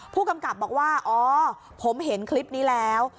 ผู้กำกับบอกว่าอ๋อผมเห็นคลิปนี้แล้ว